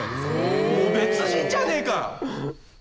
もう別人じゃねえか！